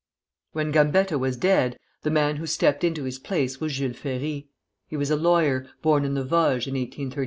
] When Gambetta was dead, the man who stepped into his place was Jules Ferry. He was a lawyer, born in the Vosges in 1832.